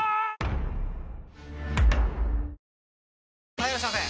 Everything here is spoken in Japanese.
・はいいらっしゃいませ！